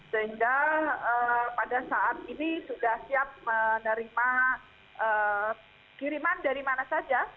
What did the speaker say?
sehingga pada saat ini sudah siap menerima kiriman dari mana saja